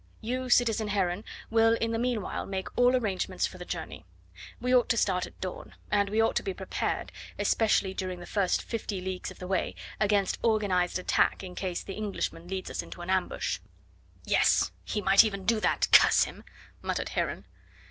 You, citizen Heron, will in the meanwhile make all arrangements for the journey. We ought to start at dawn, and we ought to be prepared, especially during the first fifty leagues of the way, against organised attack in case the Englishman leads us into an ambush." "Yes. He might even do that, curse him!" muttered Heron.